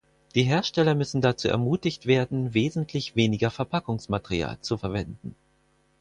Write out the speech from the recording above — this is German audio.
Die Hersteller müssen dazu ermutigt werden, wesentlich weniger Verpackungsmaterial zu verwenden.